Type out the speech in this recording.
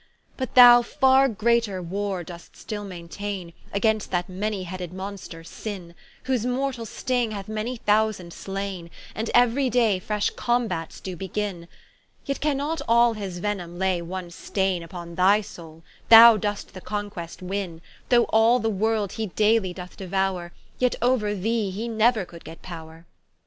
But thou farre greater warre do'st still maintaine, Against that many headed monster Sinne, Whose mortall sting hath many thousand slaine, And euery day fresh combates doe begin; Yet cannot all his venome lay one staine Vpon thy Soule, thou do'st the conquest winne, Though all the world he daily doth deuoure, Yet ouer thee he neuer could get powre.